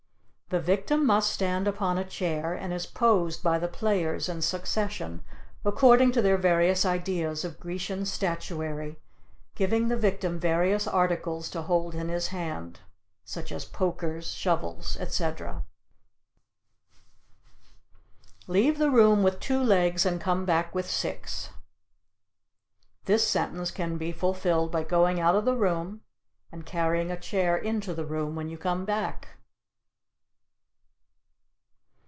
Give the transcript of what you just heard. The victim must stand upon a chair and is posed by the players in succession according to their various ideas of Grecian statuary, giving the victim various articles to hold in his hand such as pokers, shovels, etc. Leave the Room with two Legs and Come Back with Six. This sentence can be fulfilled by going out of the room and carrying a chair into the room when you come back.